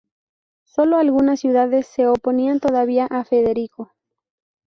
Sólo algunas ciudades se oponían todavía a Federico.